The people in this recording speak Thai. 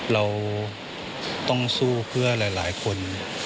เราต้องสู้เพื่อหลายคน